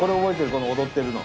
この踊ってるの。